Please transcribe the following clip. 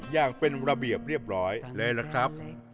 อย่างเป็นระเบียบเรียบร้อยเลยล่ะครับ